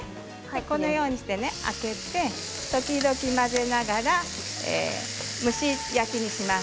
このようにして、ふたを開けて時々混ぜながら蒸し焼きにします。